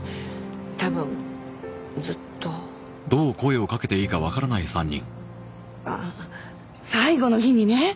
多分ずっとあっ最後の日にね